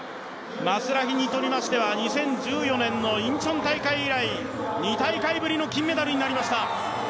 マスラヒにとりましては２０１４年のインチョン大会以来２大会ぶりの金メダルになりました。